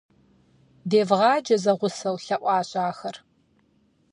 - Девгъаджэ зэгъусэу, – лъэӀуащ ахэр.